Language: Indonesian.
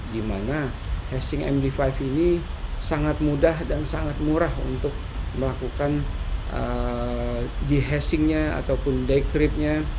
di mana hashing md lima ini sangat mudah dan sangat murah untuk melakukan de hashing nya ataupun decrypt nya